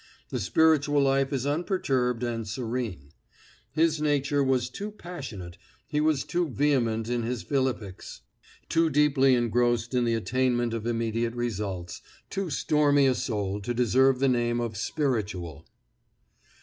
The spiritual life is unperturbed and serene. His nature was too passionate, he was too vehement in his philippics, too deeply engrossed in the attainment of immediate results, too stormy a soul to deserve the name of spiritual.